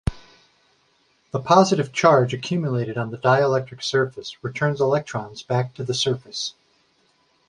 The positive charge accumulated on the dielectric surface returns electrons back to the surface.